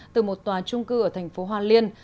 từ một tòa trung cư ở thành phố hoa liên